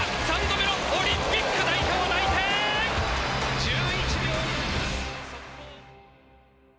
３度目のオリンピック代表内定！